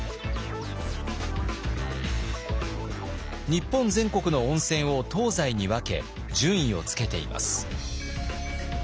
日本全国の温泉を東西に分け順位をつけています。